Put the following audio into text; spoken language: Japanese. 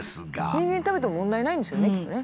人間食べても問題ないんですよねきっとね。